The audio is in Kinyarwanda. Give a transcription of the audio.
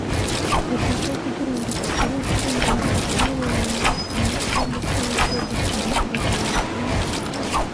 Nibyiza, kugirango dukore inkuru ndende, twabonye amaboko make mubwato, dukora urugendo rwiza